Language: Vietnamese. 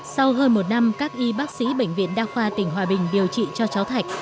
sau hơn một năm các y bác sĩ bệnh viện đa khoa tỉnh hòa bình điều trị cho cháu thạch